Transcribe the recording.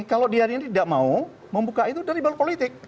kalau dia ini tidak mau membuka itu dari balu politik